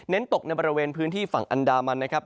ตกในบริเวณพื้นที่ฝั่งอันดามันนะครับ